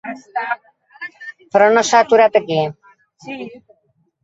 Però no s'ha aturat aquí.